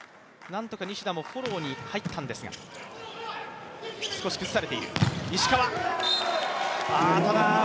なんとか西田もフォローに入ったんですが、崩されている。